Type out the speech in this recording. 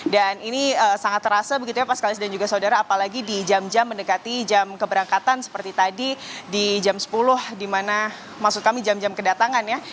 dan ini sangat terasa begitu ya pak skalis dan juga saudara apalagi di jam jam mendekati jam keberangkatan seperti tadi di jam sepuluh di mana maksud kami jam jam kedatangan ya